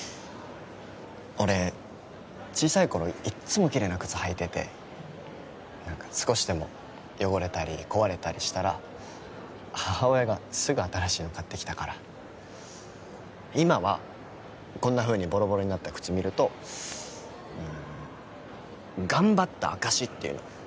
俺小さい頃いっつもキレイな靴履いてて何か少しでも汚れたり壊れたりしたら母親がすぐ新しいの買ってきたから今はこんなふうにボロボロになった靴見ると頑張った証しっていうの？